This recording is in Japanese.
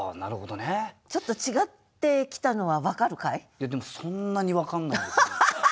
いやでもそんなに分かんないですね。